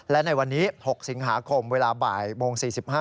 และในวันนี้๖สิงหาคมเวลาบ่ายโมง๔๕